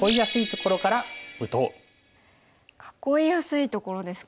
囲いやすいところですか。